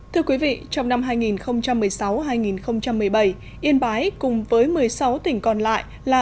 thưa quý vị trong năm hai nghìn một mươi sáu hai nghìn một mươi bảy yên bái cùng với một mươi sáu tỉnh còn lại là